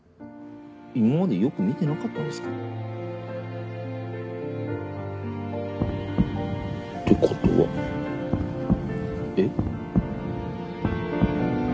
今までよく見てなかったんですか？って事はえっ？